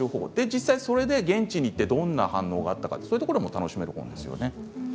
実際にそれで現地に行ってどんな反応があったかも楽しめるんですね。